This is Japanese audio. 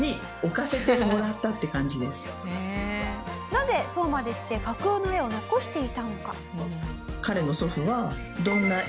なぜそうまでして架空の絵を残していたのか？